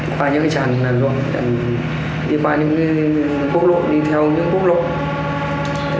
qua những tràn ruộng đi qua những quốc lộ đi theo những quốc lộ